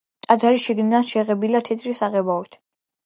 ტაძარი შიგნიდან შეღებილია თეთრი საღებავით.